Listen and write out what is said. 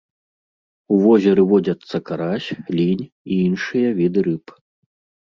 У возеры водзяцца карась, лінь і іншыя віды рыб.